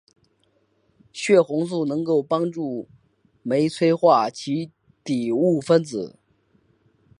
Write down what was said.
血红素能够帮助酶催化其底物分子。